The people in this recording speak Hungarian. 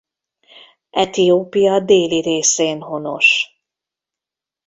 Etiópia déli részén honos.